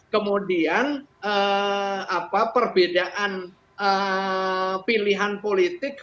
kemudian perbedaan pilihan politik